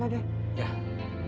nanti saya turun ke sana